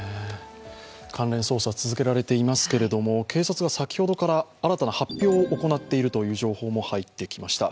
関連捜査続けられていますけれども警察が先ほどから新たな発表を行っているという情報も入ってきました。